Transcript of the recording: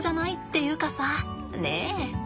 ねえ。